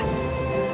pujian untuk berta